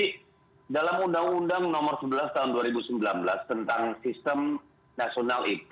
jadi dalam undang undang nomor sebelas tahun dua ribu sembilan belas tentang sistem national impact